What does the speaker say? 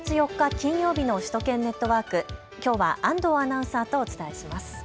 金曜日の首都圏ネットワーク、きょうは安藤アナウンサーとお伝えします。